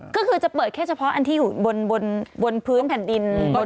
ก็คือจะเปิดแค่เฉพาะอันที่อยู่บนพื้นแผ่นดิน